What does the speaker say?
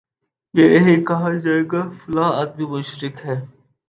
یہ نہیں کہا جائے گا فلاں آدمی مشرک ہے